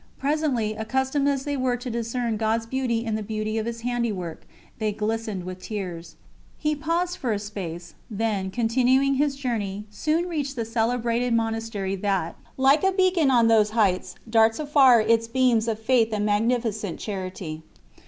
Presently, accustomed as they were to discern God's beauty in the beauty of His handiwork, they glistened with tears. He paused for a space, then, continuing his journey, soon reached the celebrated monastery that like a beacon on those heights darts afar its beams of faith and magnificent charity.